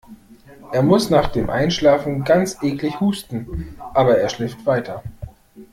Er muss nach dem Einschlafen ganz eklig husten, aber er schläft weiter.